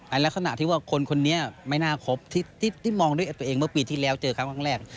ลักษณะที่ว่าคนคนนี้ไม่น่าครบที่มองด้วยตัวเองเมื่อปีที่แล้วเจอครั้งแรก